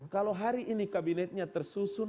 kalau hari ini kabinetnya tersusun